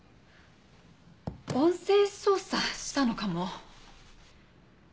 音声操作したのかも。